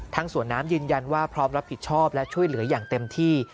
สวนน้ำยืนยันว่าพร้อมรับผิดชอบและช่วยเหลืออย่างเต็มที่